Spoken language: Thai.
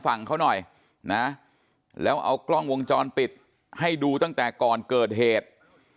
ฝั่งเขาหน่อยนะแล้วเอากล้องวงจรปิดให้ดูตั้งแต่ก่อนเกิดเหตุ